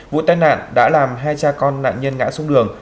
vụ tai nạn đã làm hai cha con nạn nhân ngã xuống đường